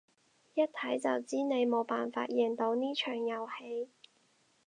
一睇就知你冇辦法贏到呢場遊戲